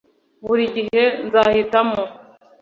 buri gihe nzahitamo.